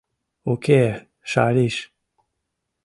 Уке, шалишь!